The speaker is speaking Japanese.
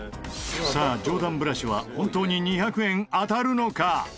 さあ上段ブラシは本当に２００円当たるのか？